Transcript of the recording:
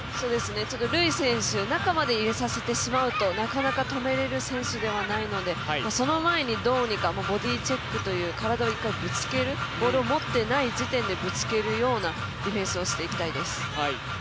ルイ選手、中まで入れさせてしまうとなかなか止められる選手ではないのでその前に、どうにかボディーチェックという体を一回ぶつけるボールを持っていない時点でぶつけるようなディフェンスをしていきたいです。